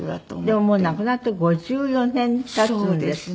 でももう亡くなって５４年経つんですって？